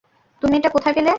তুমি এটা কোথায় পেলে?